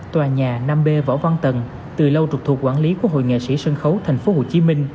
tòa nhà năm b võ văn tần từ lâu trục thuộc quản lý của hội nghệ sĩ sân khấu tp hcm